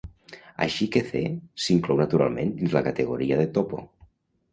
Així que "C" s'inclou naturalment dins la categoria de topo.